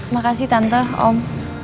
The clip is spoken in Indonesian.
makasih tante om